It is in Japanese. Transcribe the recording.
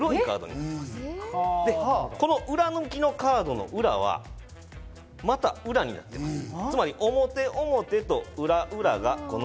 で、この裏向きのカードの裏は、また裏になってます。